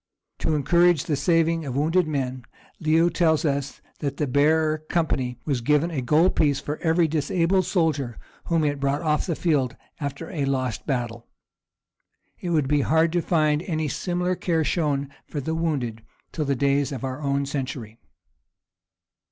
To encourage the saving of wounded men, Leo tells us that the bearer company was given a gold piece for every disabled soldier whom it brought off the field after a lost battle. It would be hard to find any similar care shown for the wounded till the days of our own century.